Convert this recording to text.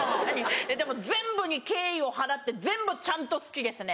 でも全部に敬意を払って全部ちゃんと好きですね。